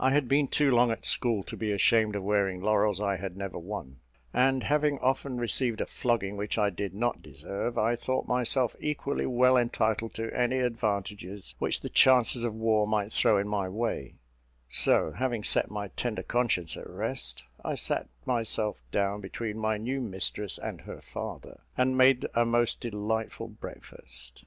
I had been too long at school to be ashamed of wearing laurels I had never won; and, having often received a flogging which I did not deserve, I thought myself equally well entitled to any advantages which the chances of war might throw in my way; so having set my tender conscience at rest, I sat myself down between my new mistress and her father, and made a most delightful breakfast.